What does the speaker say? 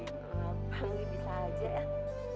gak apa lebih bisa aja ya